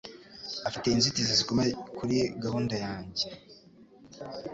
Afite inzitizi zikomeye kuri gahunda yanjye.